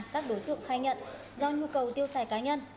các đối tượng khai nhận do nhu cầu tiêu xài cá nhân